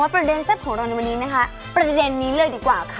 ประเด็นแซ่บของเราในวันนี้นะคะประเด็นนี้เลยดีกว่าค่ะ